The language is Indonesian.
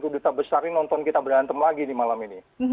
satu duta besar ini nonton kita berantem lagi di malam ini